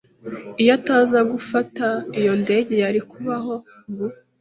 Iyo ataza gufata iyo ndege, yari kubaho ubu.